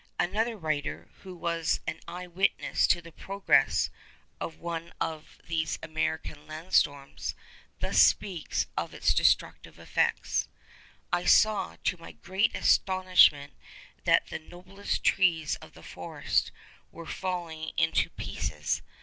Another writer, who was an eye witness to the progress of one of these American land storms, thus speaks of its destructive effects. 'I saw, to my great astonishment, that the noblest trees of the forest were falling into pieces.